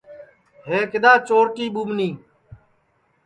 ہے کِدؔا چورٹی ٻُومنیں